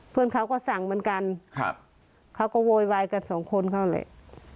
เพื่อนเขาก็สั่งเหมือนกันครับเขาก็โวยวายกันสองคนเขาแหละ